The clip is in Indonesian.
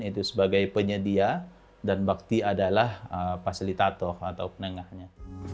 itu sebagai penyedia dan bakti adalah fasilitator atau penengahnya